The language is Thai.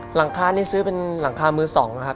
หลังคานี้ซื้อเป็นหลังคามือ๒นะครับ